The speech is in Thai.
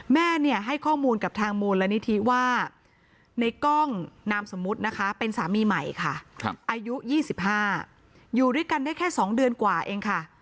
แม่เนี่ยให้ข้อมูลกับทางมูลนิธิว่าในกล้องนามสมมุตินะคะเป็นสามีใหม่ค่ะอายุ๒๕อยู่ด้วยกันได้แค่๒เดือนกว่าเองค่ะ